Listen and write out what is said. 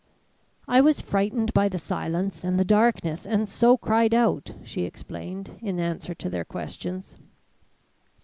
"I was frightened by the silence and the darkness, and so cried out," she explained in answer to their questions.